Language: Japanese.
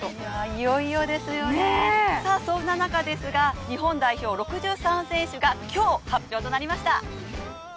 いよいよですよね、さあそんな中ですが日本代表６３選手が今日、発表となりました。